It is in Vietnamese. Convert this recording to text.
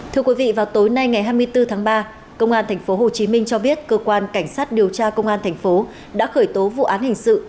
thưa quý vị vào tối nay ngày hai mươi bốn tháng ba công an tp hcm cho biết cơ quan cảnh sát điều tra công an tp hcm đã khởi tố vụ án hình sự